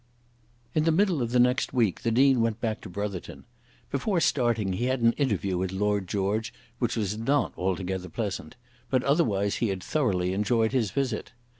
In the middle of the next week the Dean went back to Brotherton. Before starting he had an interview with Lord George which was not altogether pleasant; but otherwise he had thoroughly enjoyed his visit.